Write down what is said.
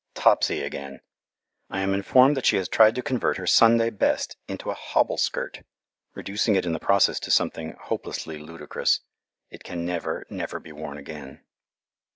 Topsy again! I am informed that she has tried to convert her Sunday best into a hobble skirt, reducing it in the process to something hopelessly ludicrous. It can never, never be worn again.